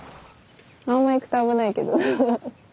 あんま行くと危ないけど。